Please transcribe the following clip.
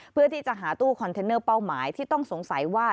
เพื่อที่จะหาตู้คอนเทนเนอร์เป้าหมายที่ต้องสงสัยว่า